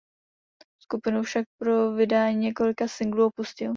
Skupinu však po vydání několika singlů opustil.